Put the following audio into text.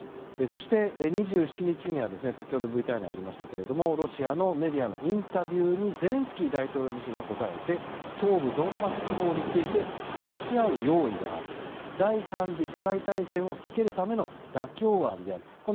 そして２７日は先ほどＶＴＲにもありましたがロシアメディアのインタビューにゼレンスキー大統領自身が答えて東部ドンバス地方について話し合う用意がある第３次世界大戦を避けるための妥協案であると。